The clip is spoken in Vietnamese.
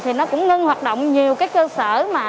thì nó cũng ngưng hoạt động nhiều cái cơ sở mà